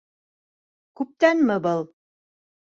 Күптәнме был?